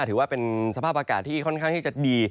ถือว่าเป็นสภาพอากาศที่ค่อนข้างที่จะดี